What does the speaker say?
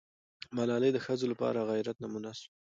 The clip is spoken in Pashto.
ملالۍ د ښځو لپاره د غیرت نمونه سوه.